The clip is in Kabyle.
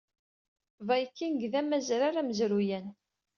Vikings d amazrar amezruyan.